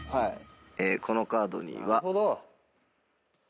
このカードには。